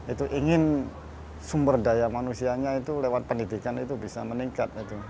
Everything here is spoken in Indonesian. itu ingin sumber daya manusianya itu lewat pendidikan itu bisa meningkat